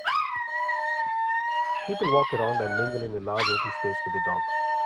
People walk around and mingle in a large open space with a dog.